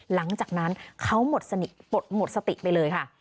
หลังจากนั้นเขาหมดสนิทปลดหมดสติไปเลยค่ะ